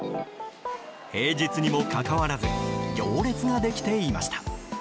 平日にもかかわらず行列ができていました。